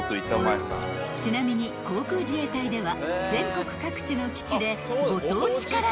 ［ちなみに航空自衛隊では］